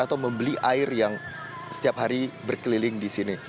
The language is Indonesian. atau membeli air yang setiap hari berkeliling di sini